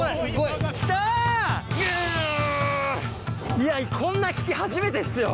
いやこんな引き初めてっすよ。